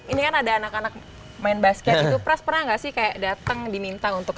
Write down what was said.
ini kan ada anak anak main basket gitu pras pernah gak sih kayak dateng diminta untuk